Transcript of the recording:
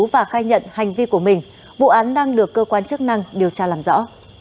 và khai nhận hành vi của mình vụ án đang được cơ quan chức năng điều tra làm rõ